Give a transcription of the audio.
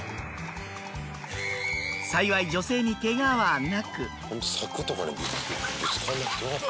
幸い女性にケガはなく。